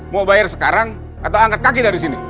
mau bayar sekarang atau angkat kaki dari sini